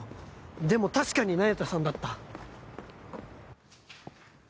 でも確かに那由他さんだった。